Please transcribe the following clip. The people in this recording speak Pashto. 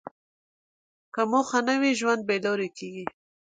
که موخه نه وي، ژوند بېلوري کېږي.